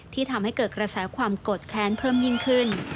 ทำให้เกิดกระแสความโกรธแค้นเพิ่มยิ่งขึ้น